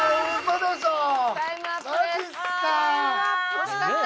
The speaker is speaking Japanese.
惜しかった！